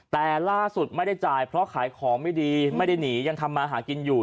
แต่ล่าสุดไม่ได้จ่ายเพราะขายของไม่ดีไม่ได้หนียังทำมาหากินอยู่